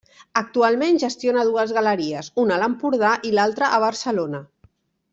Actualment gestiona dues galeries, una a l'Empordà i l'altra a Barcelona.